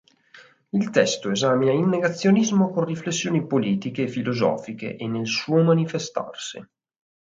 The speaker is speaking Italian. Il testo esamina il negazionismo con riflessioni politiche e filosofiche e nel suo manifestarsi.